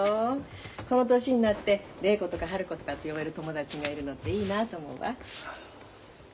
この年になって礼子とか春子とかって呼べる友達がいるのっていいなあと思うわ。